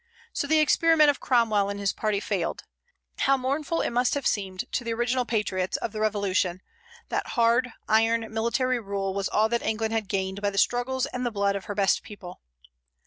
So the experiment of Cromwell and his party failed. How mournful it must have seemed to the original patriots of the revolution, that hard, iron, military rule was all that England had gained by the struggles and the blood of her best people.